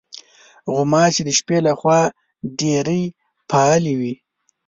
غوماشې د شپې له خوا ډېرې فعالې وي.